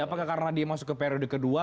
apakah karena dia masuk ke periode kedua